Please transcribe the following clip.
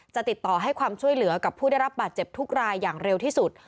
จะติดต่อให้ความช่วยเหลือกับผู้ได้รับบาดเจ็บทุกรายอย่างเร็วที่สุด